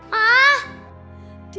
hahhh ya tuhan